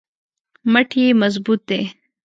مټ یې مضبوط دی.